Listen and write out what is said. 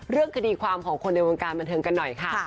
เรื่องคดีความของคนในวงการบันเทิงกันหน่อยค่ะ